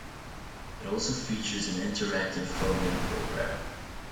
It also features an interactive phone-in programme.